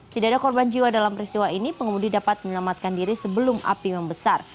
tidak ada korban jiwa dalam peristiwa ini pengemudi dapat menyelamatkan diri sebelum api membesar